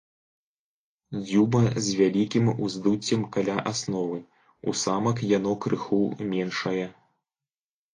Дзюба з вялікім уздуццем каля асновы, у самак яно крыху меншае.